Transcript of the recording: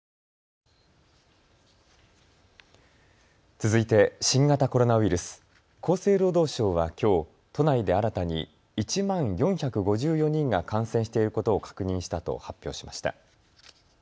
続いて新型コロナウイルス、厚生労働省はきょう都内で新たに１万４５４人が感染していることを確認したと発表しました。